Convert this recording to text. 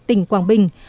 tỉnh quảng bình